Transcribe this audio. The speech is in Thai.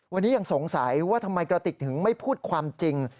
วันนี้ยังสงสัยว่าทำไมกระติกถึงไม่พูดความจริง